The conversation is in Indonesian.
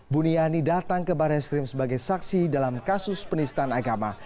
buniani datang ke barreskrim sebagai saksi dalam kasus penistan agama